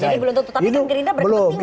tapi kan gerinda berkepentingan